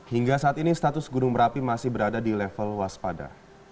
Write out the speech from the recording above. hingga saat ini status gunung merapi masih berada di level waspada